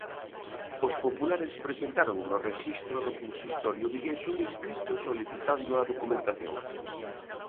Os populares presentaron no rexistro do consistorio vigués un escrito solicitando a documentación.